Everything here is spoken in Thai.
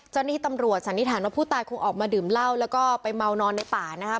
เจ้าหน้าที่ตำรวจสันนิษฐานว่าผู้ตายคงออกมาดื่มเหล้าแล้วก็ไปเมานอนในป่านะครับ